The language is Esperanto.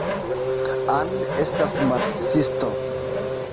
Anne estas marksisto.